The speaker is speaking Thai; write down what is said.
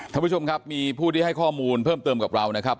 ท่านผู้ชมครับมีผู้ที่ให้ข้อมูลเพิ่มเติมกับเรานะครับ